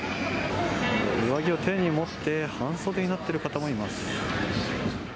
上着を手に持って、半袖になっている方もいます。